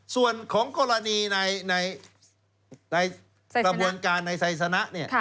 ส่วนของกรรณีอะไรระบวนการในไซสนะ